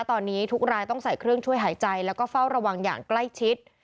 ตอนนี้ทุกรายต้องใส่เครื่องช่วยหายใจแล้วก็เฝ้าระวังอย่างใกล้ชิด